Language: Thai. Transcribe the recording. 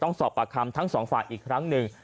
ต้องสอบประคำทั้ง๒ฝ่าอีกครั้งนึง